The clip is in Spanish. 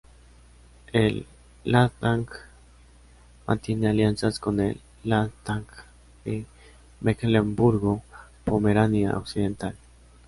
El Landtag mantiene alianzas con el Landtag de Mecklemburgo-Pomerania Occidental.